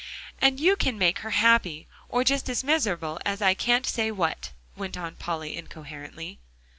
"And you can make her happy, or just as miserable as I can't say what," went on Polly incoherently.